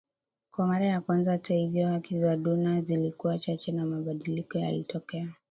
kwa mara ya kwanza Hata hivyo haki za duma zilikuwa chache na mabadiliko yalitokea